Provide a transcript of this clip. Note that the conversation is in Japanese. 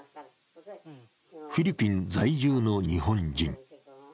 フィリピン在住の日本人。